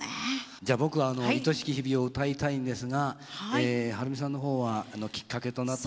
じゃ僕あの「愛しき日々」を歌いたいんですがえはるみさんの方はきっかけとなった。